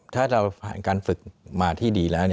ถ้าเราผ่านการฝึกมาที่ดีแล้ว